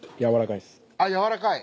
あっやわらかい。